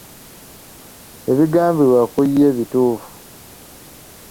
Ebigambibwa ku ye bituufu.